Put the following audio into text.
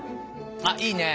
あっいいね。